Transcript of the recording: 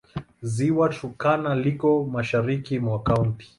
Ziwa Turkana liko mashariki mwa kaunti.